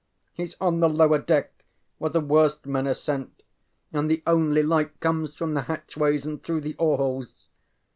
HeŌĆÖs on the lower deck where the worst men are sent, and the only light comes from the hatchways and through the oar holes.